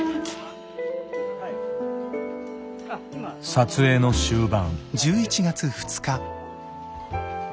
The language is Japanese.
撮影の終盤。